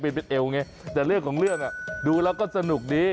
เป็นเอวไงแต่เรื่องของเรื่องดูแล้วก็สนุกดี